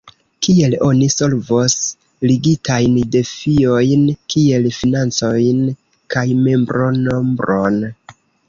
Kiel oni solvos ligitajn defiojn kiel financojn kaj membronombron?